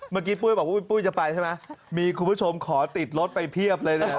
เมื่อกี้ปุ๊ยบอกว่าปุ๊ยจะไปใช่มั้ยมีคุณผู้ชมขอติดรถไปเพียบเลยนะครับ